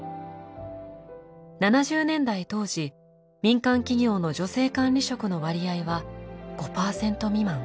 ７０年代当時民間企業の女性管理職の割合は５パーセント未満。